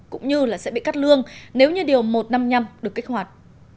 cũng như sẽ bị cắt lương nếu như điều một trăm năm mươi năm được kích hoạt